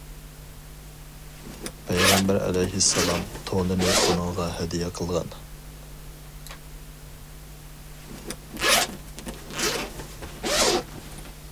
پەيغەمبەر ئەلەيھىسسالام تونىنى ئۇنىڭغا ھەدىيە قىلغان.